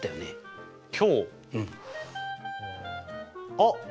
あっ！